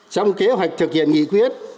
trong kế hoạch thực hiện nghị quyết